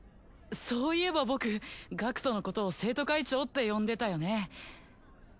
そういえば僕学人のことを生徒会長って呼んでたよね。